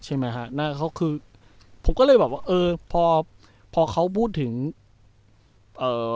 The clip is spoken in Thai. ใช่ไหมฮะหน้าเขาคือผมก็เลยแบบว่าเออพอพอเขาพูดถึงเอ่อ